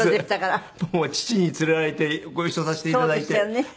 父に連れられてご一緒させて頂いて。